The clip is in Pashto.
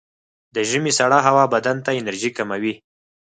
د ژمي سړه هوا بدن ته انرژي کموي.